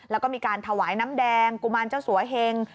แล้วก็มีการถวายน้ำแดงกุมารเจ้าสัวเฮง